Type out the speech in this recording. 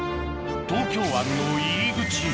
東京湾の入り口